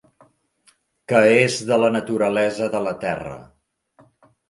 Que és de la naturalesa de la terra.